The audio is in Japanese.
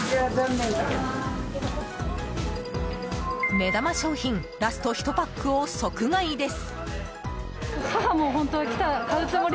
目玉商品ラスト１パックを即買いです。